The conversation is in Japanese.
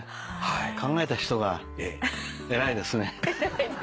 考えた人が偉いですね。